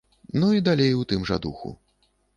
Ну далей у тым жа духу.